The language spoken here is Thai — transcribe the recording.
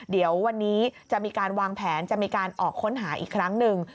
เดี๋ยววันนี้จะมีการวางแผนจะมีการออกค้นหาอีกครั้งหนึ่ง